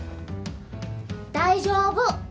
大丈夫！